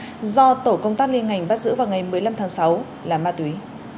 vào khoảng ngày hôm nay tổ công tác liên ngành bắt giữ vào ngày một mươi năm tháng sáu là ma túy